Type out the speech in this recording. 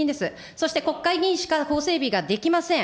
そして国会議員しか法整備はできません。